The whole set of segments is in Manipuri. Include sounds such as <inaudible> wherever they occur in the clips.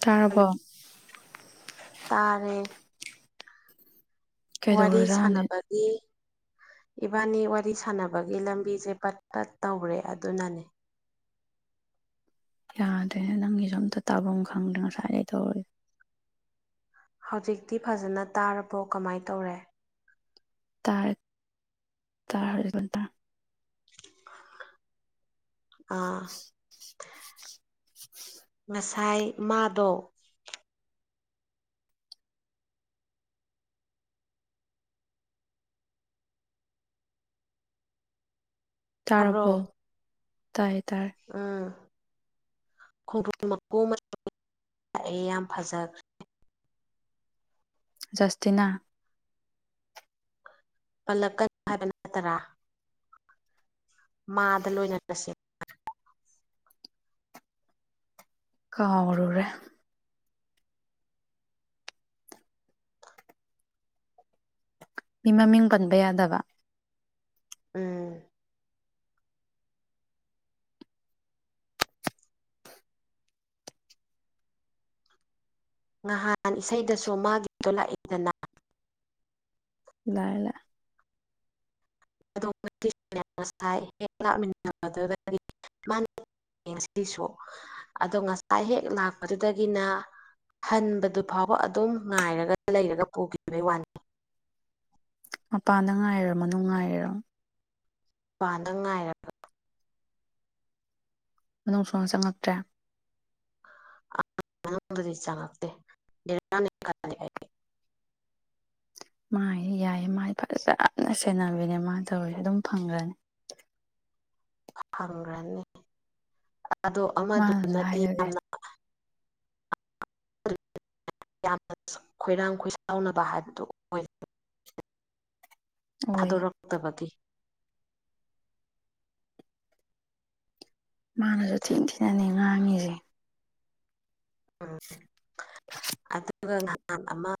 ꯇꯥꯔꯔꯕꯣ ꯇꯥꯔꯦ ꯋꯥꯔꯤ ꯀꯩꯗꯧꯔꯖꯥꯠꯅꯣꯅꯦ ꯁꯥꯟꯅꯕꯒꯤ ꯏꯕꯥꯅꯤ ꯋꯥꯔꯤ ꯁꯥꯟꯅꯕꯒꯤ ꯂꯝꯕꯤꯁꯦ ꯄꯠ ꯄꯠ ꯇꯧꯔꯦ ꯑꯗꯨꯅꯅꯦ ꯌꯥꯗ꯭ꯔꯦ ꯅꯪꯒꯤꯁꯨ ꯑꯝꯇ ꯇꯥꯐꯝ ꯈꯪꯗꯦ ꯉꯁꯥꯏꯗꯒꯤ ꯇꯧꯔꯒꯦ ꯍꯧꯖꯤꯛꯇꯤ ꯐꯖꯅ ꯇꯥꯔꯕꯣ ꯀꯃꯥꯏ ꯇꯧꯔꯦ ꯇꯥꯏꯔ ꯇꯥ ꯇ ꯑꯥ ꯉꯁꯥꯏ ꯃꯥꯗꯣ ꯇꯥꯕ꯭ꯔꯣ ꯇꯥꯔꯔꯕꯣ ꯇꯥꯏꯌꯦ ꯇꯔ ꯈꯣꯡꯗ꯭ꯔꯣꯟ ꯃꯀꯨ ꯂꯑꯦ ꯌꯥꯝ ꯐꯖ ꯥꯁꯇꯅ ꯄꯜꯂꯛꯀ ꯍꯥꯏꯕꯅ ꯇꯔꯥ ꯃꯥꯗ ꯂꯣꯏꯅꯔꯁꯦ ꯀꯥꯎꯔꯔꯦ ꯃꯤ ꯃꯃꯤꯡ ꯀꯟꯕ ꯌꯥꯗꯕ ꯎꯝ ꯅꯍꯥꯟ ꯏꯁꯩꯗꯁꯨ ꯃꯥꯒꯤꯗꯣ ꯂꯥꯛꯏꯦꯗꯅ ꯂ ꯂꯩ <unintelligible> ꯁꯤꯁꯨ ꯑꯗꯣ ꯉꯁꯥꯏ ꯍꯦꯛ ꯂꯥꯛꯄꯗꯨꯗꯒꯤꯅ ꯍꯟꯕꯗꯨ ꯐꯥꯎꯕ ꯑꯗꯨꯝ ꯉꯥꯏꯔꯒ ꯂꯩꯔꯒ ꯄꯨꯈꯤꯕꯩ ꯋꯥꯅꯤ ꯃꯄꯥꯟꯗ ꯉꯥꯏꯔꯣ ꯃꯅꯨꯡ ꯉꯥꯏꯔꯔꯣ ꯋꯥꯥꯟꯗꯪ ꯉꯥꯏꯔꯒ ꯃꯅꯨꯡ ꯁꯨꯅ ꯆꯪꯉꯛꯇ꯭ꯔꯦ ꯑꯅꯗꯤ ꯆ ꯂꯥꯛꯅꯤ ꯃꯥꯥꯏ ꯌꯥꯏꯌꯦ ꯃꯥ ꯐꯖꯅ ꯁꯦꯟꯅꯕꯤꯅꯦ ꯃꯥꯅ ꯇꯧꯔꯤꯁꯦ ꯑꯗꯨꯝ ꯐꯪꯈ꯭ꯔꯅꯤ ꯐꯪꯈ꯭ꯔꯅꯤ ꯑꯗꯣ ꯃꯥꯅꯁꯨ ꯑꯃꯗꯨꯅꯗꯤ ꯍꯥꯏꯗꯨꯗꯤ ꯌꯥꯝꯅ <unintelligible> ꯌꯥꯝꯅ ꯈꯣꯏꯔꯥꯡ ꯈꯣꯏꯁꯥꯎꯅꯕ ꯍꯥꯏꯕꯗꯨ ꯑꯣꯏ ꯑꯣꯏꯌꯦ ꯊꯥꯗꯣꯔꯛꯇꯕꯗꯤ ꯃꯥꯅꯁꯨ ꯊꯤꯟ ꯊꯤꯅꯅꯤ ꯉꯥꯡꯉꯤꯁꯦ ꯎꯝ ꯑꯗꯨꯒ ꯉꯍꯥꯟ ꯑꯃ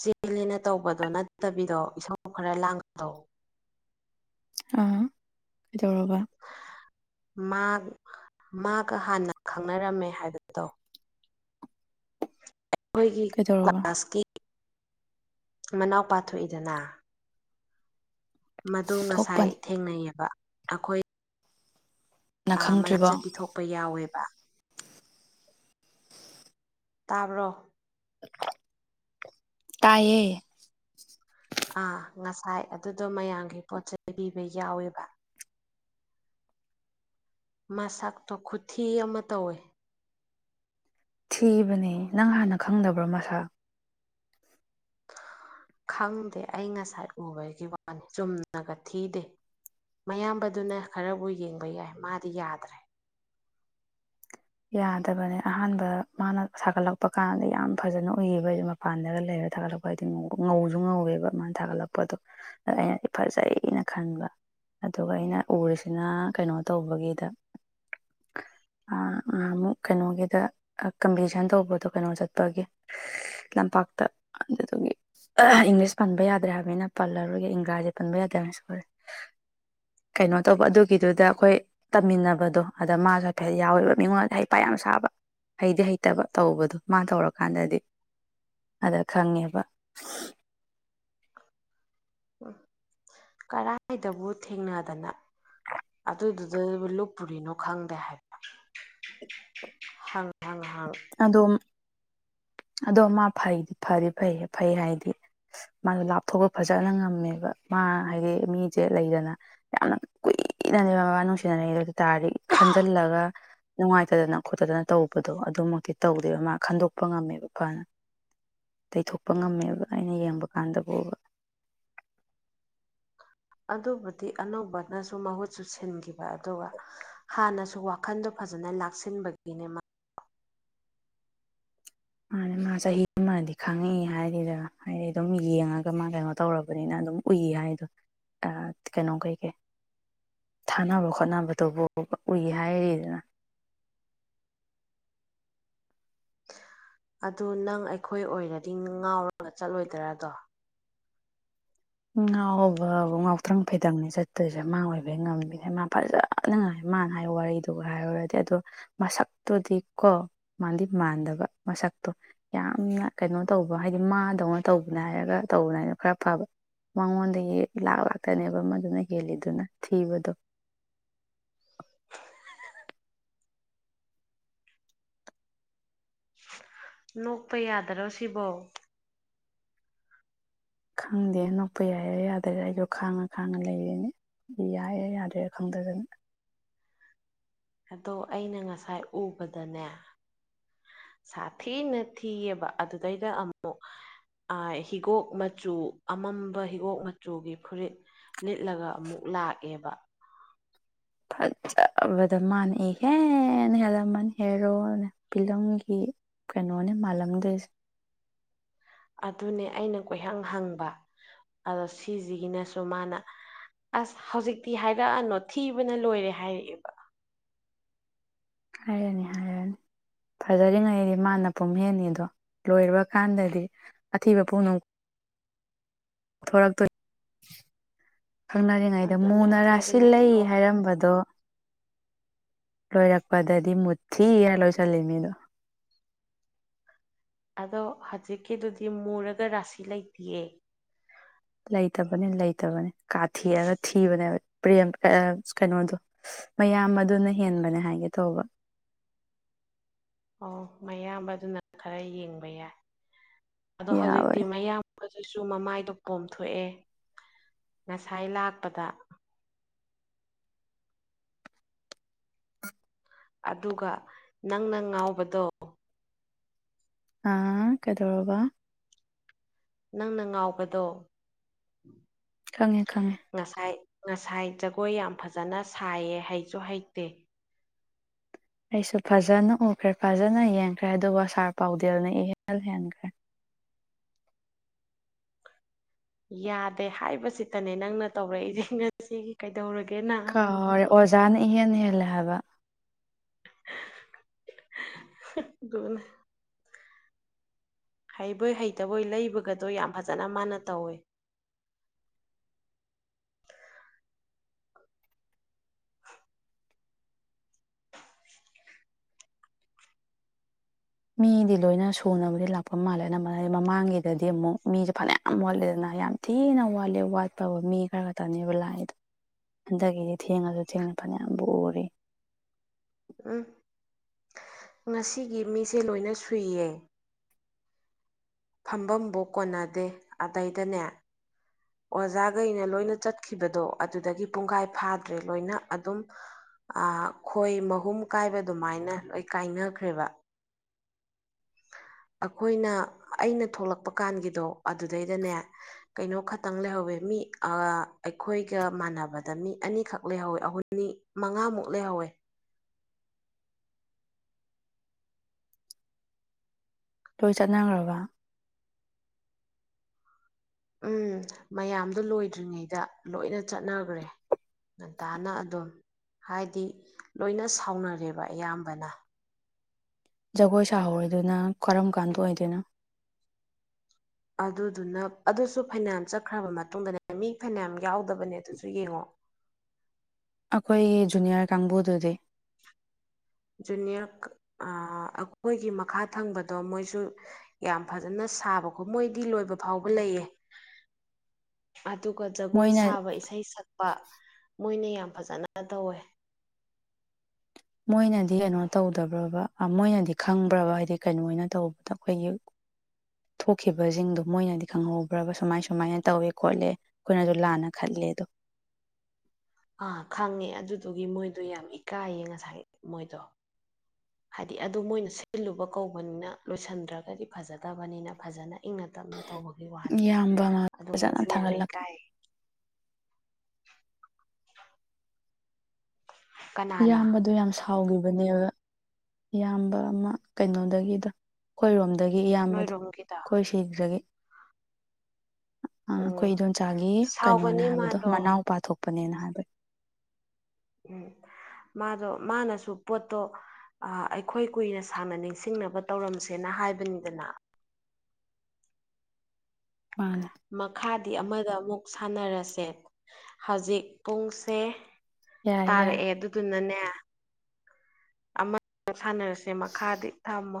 ꯆꯦꯜꯂꯤꯅ ꯇꯧꯕꯗꯣ ꯅꯠꯇꯕꯤꯗꯣ ꯏꯁꯧ ꯈꯔ ꯂꯥꯡꯒꯗꯣ ꯑ ꯀꯩꯗꯧꯔꯕ ꯃꯥ ꯃꯥꯒ ꯍꯥꯟꯅ ꯈꯪꯅꯔꯝꯃꯦ ꯍꯥꯏꯕꯗꯣ ꯑꯩꯈꯣꯏꯒꯤ ꯀꯩꯗꯧꯔꯕ ꯀ꯭ꯂꯥꯁꯀꯤ ꯃꯅꯥꯎ ꯄꯥꯊꯣꯛꯏꯗꯅ ꯃꯗꯨ ꯉꯁꯥꯏ ꯊꯣꯛꯄꯅꯤ ꯊꯦꯡꯅꯩꯑꯕ ꯑꯩꯈꯣꯏ ꯅꯪ ꯃꯩ ꯈꯪꯗ꯭ꯔꯤꯕꯣ ꯆ ꯄꯤꯊꯣꯛꯄ ꯌꯥꯎꯋꯦꯕ ꯇꯥꯕ꯭ꯔꯣ ꯇꯥꯏꯌꯦ ꯑꯥ ꯉꯁꯥꯏ ꯑꯗꯨꯗꯣ ꯃꯌꯥꯝꯒꯤ ꯄꯣꯠ ꯆꯩꯕꯤꯕ ꯌꯥꯎꯋꯦꯕ ꯃꯁꯛꯇꯣ ꯈꯨꯊꯤ ꯑꯃ ꯇꯧꯋꯦ ꯊꯤꯕꯅꯦ ꯅꯪ ꯍꯥꯟꯅ ꯈꯪꯗꯕ꯭ꯔꯣ ꯃꯁꯥ <unintelligible> <unintelligible> ꯈꯪꯗꯦ ꯑꯩ ꯉꯁꯥꯏ ꯎꯕꯒꯤ ꯋꯥꯅꯤ ꯆꯨꯝꯅꯒ ꯊꯤꯗꯦ ꯃꯌꯥꯝꯕꯗꯨꯅ ꯈꯔꯕꯨ ꯌꯦꯡꯕ ꯌꯥꯏ ꯃꯥꯗꯤ ꯌꯥꯗ꯭ꯔꯦ ꯌꯥꯗꯕꯅꯦ ꯑꯍꯥꯟꯕ ꯃꯥꯅ ꯁꯥꯒꯠꯂꯛꯄ ꯀꯥꯟꯗ ꯌꯥꯝ ꯐꯖꯅ ꯎꯏꯌꯦꯕ ꯑꯩꯁꯦ ꯃꯄꯥꯟꯗꯒ ꯂꯩꯔ ꯊꯥꯒꯠꯂꯛꯄ ꯍꯥꯏꯗꯤ ꯉꯧꯁꯨ ꯉꯧꯋꯦꯕ ꯃꯥꯅ ꯊꯥꯒꯠꯂꯛꯄꯗꯣ ꯑꯩꯅ ꯐꯖꯩꯅ ꯈꯟꯕ ꯑꯗꯨꯒ ꯑꯩꯅ ꯎꯔꯤꯁꯤꯅ ꯀꯩꯅꯣ ꯇꯧꯕꯒꯤꯗ ꯑ ꯑꯃꯨꯛ ꯀꯩꯅꯣꯒꯤꯗ ꯀꯝꯄꯤꯇꯤꯁꯟ ꯇꯧꯕꯗꯣ ꯀꯩꯅꯣ ꯆꯠꯄꯒꯤ ꯂꯝꯄꯥꯛꯇ ꯑꯗ ꯊꯉꯦ ꯏꯪꯂꯤꯁ ꯄꯟꯕ ꯌꯥꯗ꯭ꯔꯦ ꯍꯥꯏꯕꯅꯤꯅ ꯄꯜꯂꯔꯨꯔꯒ ꯏꯪꯒ꯭ꯔꯥꯖꯤ ꯄꯟꯕ ꯌꯥꯗ꯭ꯔꯦ ꯍꯥꯏꯅꯁꯨꯦ ꯀꯩꯅꯣ ꯇꯧꯕ ꯑꯗꯨꯒꯤꯗꯨꯗ ꯑꯩꯈꯣꯏ ꯇꯝꯃꯤꯟꯅꯕꯗꯣ ꯑꯗ ꯃꯥꯁꯨ ꯍꯥꯏꯐꯦꯠ ꯌꯥꯎꯋꯦꯕ ꯃꯤꯉꯣꯟꯗ ꯍꯩ ꯄ ꯌꯥꯝ ꯁꯥꯕ ꯍꯩꯗꯤ ꯍꯩꯇꯕ ꯇꯧꯕꯗꯣ ꯃꯥꯅ ꯇꯧꯔꯀꯥꯟꯗꯗꯤ ꯑꯗ ꯈꯪꯉꯦꯕ꯫ ꯎ ꯀꯔꯥꯏꯗꯕꯨ ꯊꯦꯡꯅꯗꯅ꯫ ꯑꯗꯨꯗꯨꯗ ꯂꯨꯞ ꯄꯨꯨꯔꯤꯅꯣ ꯈꯪꯗꯦ ꯍꯥꯏꯕ꯫ ꯍ ꯍꯪꯍꯥꯡ ꯑꯗꯣ ꯑꯗꯣ ꯃꯥ ꯐꯩꯗꯤ ꯐꯔꯤ ꯐꯩ ꯐꯩ ꯍꯥꯏꯗꯤ ꯃꯥꯗꯣ ꯂꯥꯞꯊꯣꯛꯄ ꯐꯖꯅ ꯉꯝꯃꯦꯕ ꯃꯥ ꯍꯥꯏꯗꯤ ꯃꯤꯁꯦ ꯂꯩꯗꯅ ꯌꯥꯝꯅ ꯀꯨꯏ ꯏꯅꯗꯤ ꯃꯕꯥ ꯅꯨꯡꯁꯤꯅꯔꯦ ꯑꯗꯨ ꯇꯥꯔꯗꯤ ꯈꯟꯖꯜꯂꯒ ꯅꯨꯡꯉꯥꯏꯇꯗꯅ ꯈꯣꯠꯇꯗꯅ ꯇꯧꯕꯗꯣ ꯑꯗꯨꯃꯛꯇꯤ ꯇꯧꯗꯦꯕ ꯃꯥ ꯈꯟꯗꯣꯛꯄ ꯉꯝꯃꯦꯕ ꯐꯅ꯫ ꯇꯩꯊꯣꯛꯄ ꯉꯝꯃꯦꯕ ꯑꯩꯅ ꯌꯦꯡꯕ ꯀꯥꯟꯗ ꯎꯕ꯫ ꯑꯗꯨꯕꯨꯗꯤ ꯑꯅꯧꯕꯅꯁꯨ ꯃꯍꯨꯠꯁꯨ ꯁꯤꯟꯈꯤꯕ ꯑꯗꯨꯒ ꯍꯥꯟꯅꯁꯨ ꯋꯥꯈꯟꯗꫭ ꯐꯖꯅ ꯂꯥꯛꯁꯤꯟꯕꯒꯤꯅꯦ ꯃꯥ ꯃꯥꯅꯦ ꯃꯥ ꯆꯍꯤ ꯑꯃꯗꯤ ꯈꯪꯉꯛꯏ ꯍꯥꯏꯔꯤꯗ ꯍꯥꯏꯗꯤ ꯑꯗꯨꯝ ꯌꯦꯡꯉꯒ ꯃꯥ ꯀꯩꯅꯣ ꯇꯧꯔꯕꯅꯤꯅ ꯑꯗꯨꯝ ꯎꯏ ꯍꯥꯏꯗꯣ ꯑꯥ ꯀꯩꯅꯣ ꯀꯩ-ꯀꯩ꯫ ꯊꯥꯅꯕ ꯈꯣꯠꯅꯕꯗꯨꯕꯨꯕ ꯎꯏ ꯍꯥꯏꯔꯤꯁꯤꯅ꯫ <inaudible> ꯑꯗꯨ ꯅꯪ ꯑꯩꯈꯣꯏ ꯑꯣꯏꯔꯗꯤ ꯉꯥꯎꯔꯒ ꯆꯠꯂꯣꯏꯗ꯭ꯔꯗꯣ꯫ ꯉꯥꯎꯕꯕꯨ ꯉꯥꯎꯇ꯭ꯔꯪ ꯐꯩꯗꯪꯅꯤ ꯆꯠꯇꯣꯏꯁꯦ ꯃꯥ ꯑꯣꯏꯕꯩ ꯉꯝꯃꯤꯁꯦ ꯃꯥ ꯐꯖꯅ ꯉꯥꯏꯕ ꯃꯥꯅ ꯍꯥꯏ ꯋꯥꯔꯤꯗꯨꯒ ꯍꯥꯏꯔꯨꯔꯗꯤ ꯑꯗꯣ ꯃꯁꯛꯇꯨꯗꯤ ꯀꯣ ꯃꯥꯟꯗꯤ ꯃꯥꯟꯗꯕ ꯃꯁꯛ ꯛꯇꯣ ꯌꯥꯝꯅ ꯀꯩꯅꯣ ꯇꯧꯕ ꯍꯥꯏꯗꯤ ꯃꯥꯗꯧꯅ ꯇꯧꯕꯅꯦ ꯍꯥꯏꯔꯒ ꯇꯧꯕꯅꯦꯅ ꯈꯔ ꯐꯕ꯫ ꯃꯉꯣꯟꯗꯒꯤ ꯂꯥꯛꯂꯥꯛꯇꯅꯦꯕ ꯃꯗꯨꯅ ꯍꯦꯜꯂꯤꯗꯨꯅ ꯊꯤꯕꯗꯣ꯫ <inaudible> ꯅꯣꯛꯄ ꯌꯥꯗꯔꯣ ꯁꯤꯕꯣ ꯈꯪꯗꯦ ꯅꯣꯛꯄ ꯌꯥꯏꯔ ꯌꯥꯗꯔꯥ ꯑꯩꯁꯨꯣ ꯈꯥꯡꯉ ꯈꯥꯡꯉ ꯂꯩꯔꯤꯅꯤ ꯌꯥꯏꯌꯦ ꯌꯥꯗ꯭ꯔꯦ ꯈꯪꯗꯗꯅ꯫ ꯑꯗꯣ ꯑꯩꯅ ꯉꯁꯥꯏ ꯎꯕꯗꯅꯦ ꯁꯥꯊꯤꯅ ꯊꯤꯑꯦꯕ ꯑꯗꯨꯗꯩꯗ ꯑꯃꯨꯛ ꯑꯥ ꯍꯤꯒꯣꯛ ꯃꯆꯨ ꯑꯃꯝꯕ ꯍꯤꯒꯣꯛ ꯃꯆꯨꯒꯤ ꯐꯨꯔꯤꯠ ꯂꯤꯠꯂꯒ ꯑꯃꯨꯛ ꯂꯥꯛꯑꯦꯕ꯫ ꯐꯖꯕꯗ ꯃꯥꯟꯅꯤ ꯍꯦ ꯍꯦꯂꯃꯟ ꯍꯦꯔꯣ ꯐꯤꯂꯝꯒꯤ ꯀꯩꯅꯣꯅꯦ ꯃꯥꯂꯝꯗꫭꯏꯁꯤ ꯑꯗꯨꯅꯦ ꯑꯩꯅ ꯀꯣꯏꯍꯪ ꯍꯪꯕ ꯑꯗꯣ ꯁꯤꯖꯤꯒꯤꯅꯁꯨ ꯃꯥꯅ ꯑꯁ ꯍꯧꯖꯤꯛꯇꯤ ꯍꯥꯏꯔꯛꯑꯅꯣ ꯊꯤꯕꯅ ꯂꯣꯏꯔꯦ ꯍꯥꯏꯔꯛꯑꯦꯕ꯫ ꯍꯥꯏꯔꯅꯤ-ꯍꯥꯏꯔꯅꯤ ꯐꯖꯔꯤꯉꯩꯗꯤ ꯃꯥꯅ ꯄꯨꯝ ꯍꯦꯟꯍꯦꯟꯗꯣ꯫ ꯂꯣꯏꯔꯕ ꯀꯥꯟꯗꯗꯤ ꯑꯊꯤꯕ ꯄꯣꯛꯅꯨꯡ ꯊꯣꯔꯛꯇꫭꯏ ꯈꯪꯅꯔꯤꯉꯩꯗ ꯑꯗꯨꯅꯦ ꯃꯨꯅ ꯑꯊꯤꯕꯅ ꯔꯥꯁꯤꯜꯂꯩ ꯌꯣꯝꯃꯦ ꯍꯥꯏꯔꯝꯕꯗꯣ ꯂꯣꯏꯔꯛꯄꯗꯗꯤ ꯃꯨꯊꯤꯔ ꯂꯣꯏꯁꯤꯜꯂꯤ ꯃꯤꯗꯣ꯫ <inaudible> ꯑꯗꯣ ꯍꯖꯤꯛꯀꯤꯗꯨꯗꯤ ꯃꯨꯔꯒ ꯔꯥꯁꯤ ꯂꯩꯇꯤꯌꯦ꯫ ꯂꯩꯇꯕꯅꯤ ꯂꯩꯇꯕꯅꯦ꯫ ꯀꯥꯊꯦꯛꯑꯒ ꯊꯤꯕꯅꯦꯕ ꯄ꯭ꯔꯦꯝ ꯑ ꯀꯩꯅꯣꯗꯣ ꯃꯌꯥꯝ ꯑꯗꯨꯅ ꯍꯦꯟꯕꯅꯦ ꯍꯥꯏꯒꯦ꯫ ꯇꯧꯕ꯫ ꯑꯣ ꯃꯌꯥꯝꯕꯗꯨꯅ ꯈꯔ ꯌꯦꯡꯕ ꯌꯥꯏ꯫ ꯑꯗꯣ ꯍꯧꯖꯤꯛꯇꯤ ꯌꯥꯕꯅꯦ ꯃꯌꯥꯝꯕ ꯑꯗꯨꯁꯨ ꯃꯃꯥꯏꯗꯣ ꯄꯣꯝꯊꯣꯛꯑꯦ ꯉꯁꯥꯏ ꯂꯥꯛꯄꯗ ꯑꯗꯨꯒ ꯅꯪꯅ ꯉꯥꯎꯕꯗꯣ ꯑꯥ ꯀꯩꯗꯧꯔꯕ꯫ ꯅꯪꯅ ꯉꯥꯎꯕꯗꯣ ꯈꯪꯉꯦ-ꯈꯪꯉꯦ꯫ ꯉꯁꯥꯏ ꯉꯁꯥꯏ ꯖꯒꯣꯏ ꯌꯥꯝ ꯐꯖꯅ ꯁꯥꯏꯌꯦ ꯍꯩꯁꯨ ꯍꯩꯇꯦ꯫ ꯑꯩꯁꯨ ꯐꯖꯅ ꯎꯈ꯭ꯔꯦ ꯐꯖꯅ ꯌꯦꯡꯈ꯭ꯔꯦ ꯑꯗꯨꯒ ꯁꯥꯔ ꯄꯥꯎꯗꯦꯜꯅ ꯏꯍꯦꯟꯜ ꯍꯦꯟꯈ꯭ꯔꯦ꯫ ꯌꯥꯗꯦ ꯍꯥꯏꯕꯁꯤꯇꯅꯦ ꯅꯪꯅ ꯇꯧꯔꯛꯏꯁꯦ ꯉꯁꯤꯒꯤ ꯀꯩꯗꯧꯔꯒꯦ꯫ ꯀꯔꯦ ꯑꯣꯖꯥꯅ ꯏꯍꯦꯟꯅ ꯍꯦꯜꯂꯦ ꯍꯥꯏꯕ ꯑꯗꯨꯅ ꯍꯩꯕꯣꯏ ꯍꯩꯇꯕꯣꯏ ꯂꯩꯕꯒꯗꯣ ꯌꯥꯝ ꯐꯖꯅ ꯃꯥꯅ ꯇꯧꯋꯦ <inaudible> ꯃꯤꯗꯤ ꯂꯣꯏꯅ ꯁꯨꯅꯕꯗꯤ ꯂꯥꯛꯄ ꯃꯥꯜꯂꯦ ꯅꯝꯕꯅꯗꯤ ꯃꯃꯥꯡꯒꯤꯗꯗꯤ ꯑꯃꯨꯛ ꯃꯤꯁꯦ ꯐꯅꯌꯥꯝ ꯋꯥꯠꯂꯦꯗꯅ ꯌꯥꯝ ꯊꯤꯅ ꯋꯥꯠꯂꯦ ꯋꯥꯠꯄꯕ ꯃꯤ ꯈꯔ ꯈꯛꯇꯅꯦꯕ ꯂꯥꯏꯗꯣ ꯍꯟꯛꯗꯒꯤꯗꯤ ꯊꯦꯡꯉꯁꯨ ꯊꯦꯡꯅ ꯐꯅꯌꯥꯝꯕꯨ ꯎꯔꯤ ꯎ ꯉꯁꯤꯒꯤ ꯃꯤꯁꯦ ꯂꯣꯏꯅ ꯁꯨꯏꯌꯦ ꯐꯝꯕꯕꯨ ꯀꯣꯟꯅꯗꯦ ꯑꯗꯩꯗꯅꯦ ꯑꯣꯖꯥꯈꯩꯅ ꯂꯣꯏꯅ ꯆꯠꯈꯤꯕꯗꯣ ꯑꯗꯨꯗꯒꯤ ꯄꯨꯡꯈꯥꯏ ꯐꯥꯗ꯭ꯔꯦ ꯂꯣꯏꯅ ꯑꯗꯨꯝ ꯈꯣꯏ ꯃꯍꯨꯝ ꯀꯥꯏꯕ ꯑꯗꯨꯃꯥꯏꯅ ꯂꯣꯏ ꯀꯥꯏꯅꯈ꯭ꯔꯦꯕ <inaudible> ꯑꯩꯈꯣꯏꯅ ꯑꯩꯅ ꯊꯣꯛꯂꯛꯄ ꯀꯥꯟꯒꯤꯗꯣ ꯑꯗꯨꯗꯩꯗꯅꯦ ꯀꯩꯅꯣ ꯈꯇꯪ ꯂꯩꯍꯧꯋꯤ ꯃꯤ ꯑꯩꯈꯣꯏꯒ ꯃꯥꯟꯅꯕꯗ ꯃꯤ ꯑꯅꯤꯈꯛ ꯂꯩꯍꯧꯋꯤ ꯑꯍꯨꯝ ꯑꯅꯤ ꯃꯉꯥꯃꯨꯛ ꯂꯩꯍꯧꯋꯦ <unintelligible> ꯂꯣꯏ ꯆꯠꯅꯈ꯭ꯔꯕ ꯎꯝ ꯃꯌꯥꯝꯗꯨꯣ ꯂꯣꯏꯗ꯭ꯔꯤꯉꯩꯗ ꯂꯣꯏꯅ ꯆꯠꯅꯈ꯭ꯔꯦ ꯉꯟꯇꯥꯅ ꯑꯗꯨꯝ ꯍꯥꯏꯗꯤ ꯂꯣꯏꯅ ꯁꯥꯎꯅꯔꯦꯕ ꯑꯌꯥꯝꯕꯅ ꯖꯒꯣꯏ ꯁꯥꯍꯧꯔꯤꯗꯨꯅ ꯀꯔꯝ ꯀꯥꯟꯗ ꯑꯣꯏꯗꯣꯏꯅꯣ ꯑꯗꯨꯗꯨꯅ ꯑꯗꯨꯁꯨ ꯐꯩꯅꯥꯟ ꯆꯠꯈ꯭ꯔꯕ ꯃꯇꯨꯡꯗꯅꯦ ꯃꯤ ꯐꯩꯅꯥꯝ ꯌꯥꯎꯗꯕꯅꯦ ꯑꯗꯨꯁꯨ ꯌꯦꯡꯉꯣ ꯑꯩꯈꯣꯏꯒꯤ ꯖꯨꯅꯤꯌꯔ ꯀꯥꯡꯕꯨꯗꯨꯗꯤ ꯖꯨꯅꯤꯌꯔ ꯑꯩꯈꯣꯏꯒꯤ ꯃꯈꯥ ꯊꯪꯕꯗꯣ ꯃꯣꯏꯁꯨ ꯌꯥꯝ ꯐꯖꯅ ꯁꯥꯕꯀꯣ ꯃꯣꯏꯗꯤ ꯂꯣꯏꯕ ꯐꯥꯎꯕ ꯂꯩꯌꯦ <inaudible> ꯑꯗꯨꯒ ꯖꯒꯣꯏ ꯃꯣꯏꯅ ꯁꯥꯕ ꯏꯁꯩ ꯁꯛꯄ ꯃꯣꯏꯅ ꯌꯥꯝ ꯐꯖꯅ ꯇꯧꯋꯦ ꯃꯣꯏꯅꯗꯤ ꯀꯩꯅꯣ ꯇꯧꯗꯕ꯭ꯔꯣꯕ ꯃꯣꯏꯅꯗꯤ ꯈꯪꯕ꯭ꯔꯕ ꯍꯥꯏꯗꯤ ꯀꯩꯅꯣ ꯑꯣꯏꯅ ꯇꯧꯕꯗ ꯑꯩꯈꯣꯏꯒꯤ ꯊꯣꯛꯈꯤꯕꯁꯤꯡꯗꯣ ꯃꯣꯏꯅꯗꯤ ꯈꯪꯍꯧꯕ꯭ꯔꯕ ꯁꯨꯃꯥꯏ ꯁꯨꯃꯥꯏꯅ ꯇꯧꯋꯦ ꯈꯣꯠꯂꯦ ꯑꯩꯈꯣꯏꯅꯁꯨ ꯂꯥꯟꯅ ꯈꯠꯂ <inaudible> <inaudible> ꯑꯥ ꯈꯪꯉꯦ ꯑꯗꯨꯗꯨꯒꯤ ꯃꯣꯏꯗꯣ ꯌꯥꯝ ꯏꯀꯥꯏꯌꯦ ꯉꯁꯥꯏ ꯃꯣꯏꯗꯣ ꯍꯥꯏꯗꯤ ꯑꯗꯨ ꯃꯣꯏꯅ ꯁꯤꯜꯂꯨꯕ ꯀꯧꯕꯅꯤꯅ ꯂꯣꯏꯁꯤꯟꯗ꯭ꯔꯒꯗꯤ ꯐꯖꯗꯕꯅꯤꯅ ꯐꯖꯅ ꯏꯪꯅ ꯇꯞꯅ ꯇꯧꯕꯒꯤ ꯋꯥꯅꯤ ꯏꯌꯥꯝꯕ ꯑꯃ ꯑꯗꯣ ꯐꯖꯅ ꯃꯣꯏꯁꯨ ꯌꯥꯝ ꯊꯥꯒꯠꯂꯛꯀꯦ ꯏꯀꯥꯏ <inaudible> ꯀꯅꯥꯅ ꯏꯌꯥꯝꯕꯗꯣ ꯌꯥꯝ ꯁꯥꯎꯈꯤꯕꯅꯦꯕ ꯏꯌꯥꯝꯕ ꯑꯃ ꯀꯩꯅꯣꯗꯒꯤꯗ ꯑꯩꯈꯣꯏꯔꯣꯝꯗ ꯑꯗꯒꯤ ꯏꯌꯥꯝꯕꯗ ꯅꯣꯏꯔꯣꯝꯒꯤꯗꯣ ꯑꯩꯣꯏ ꯁꯤꯈ꯭ꯔꯒꯤ ꯑ ꯑꯩꯈꯣꯏ ꯎꯝ ꯏꯗꯣꯣꯟꯆꯥꯒꯤ ꯀꯩꯅꯣꯅꯦ ꯁꯥꯎꯒꯅꯤ ꯍꯥꯏꯕꯗꯣ ꯃꯥꯗꯣ ꯃꯅꯥꯎ ꯄꯥꯊꯣꯛꯄ ꯄꯅꯦꯅ ꯍꯥꯏꯕ ꯎꯝ ꯃꯥꯗꯣ ꯃꯥꯅꯁꯨ ꯄꯣꯠꯇꯣ ꯑꯩꯈꯣꯏ ꯀꯨꯏꯅ ꯁꯥꯡꯅ ꯅꯤꯡꯁꯤꯡꯅꯕ ꯇꯧꯔꯝꯁꯦꯅ ꯍꯥꯏꯕꯅꯤꯗꯅ ꯃꯥꯅꯦ ꯃꯈꯥ ꯑꯃꯗ ꯑꯃꯨꯛ ꯁꯥꯟꯅꯔꯁꯦ ꯍꯧꯖꯤꯛ ꯄꯨꯡꯁꯦ ꯌꯥꯔꯦ ꯌꯥꯔꯦ ꯇꯥꯔꯛꯑꯦ ꯑꯗꯨꯗꯨꯅꯅꯦ ꯑꯃ ꯁꯥꯟꯅꯔꯁꯦ ꯃꯈꯥꯗꯤ ꯊꯝꯃꯣ